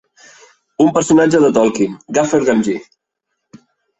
Un personatge de Tolkien, Gaffer Gamgee.